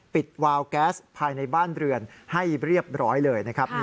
วาวแก๊สภายในบ้านเรือนให้เรียบร้อยเลยนะครับ